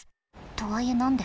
とはいえ何で？